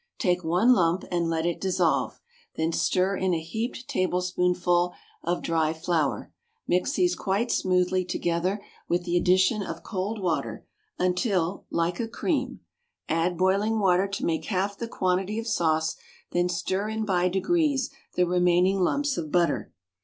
Take one lump and let it dissolve, then stir in a heaped tablespoonful of dry flour, mix these quite smoothly together, with the addition of cold water, until like a cream; add boiling water to make half the quantity of sauce, then stir in by degrees the remaining lumps of butter.